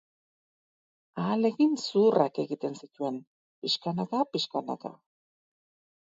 Ahalegin zuhurrak egiten zituen, pixkanaka-pixkanaka.